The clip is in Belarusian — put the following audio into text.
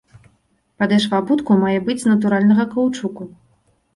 Падэшва абутку мае быць з натуральнага каўчуку.